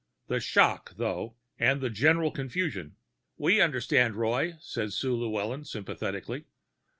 "The shock, though, and the general confusion " "We understand, Roy," said Sue Llewellyn sympathetically.